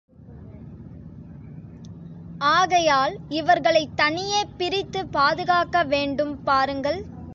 ஆகையால் இவர்களைத் தனியே பிரித்து பாதுகாக்கவேண்டும் பாருங்கள்!